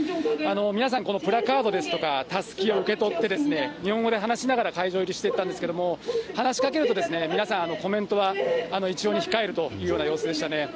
皆さん、このプラカードですとか、たすきを受け取ってですね、日本語で話しながら会場入りしていったんですけれども、話しかけると、皆さん、コメントは一様に控えるというような様子でしたね。